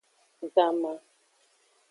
Ganma.